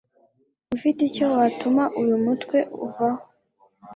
ufite icyo watuma uyu mutwe uvaho